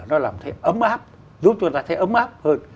giúp chúng ta thấy ấm áp hơn